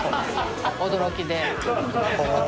驚きで。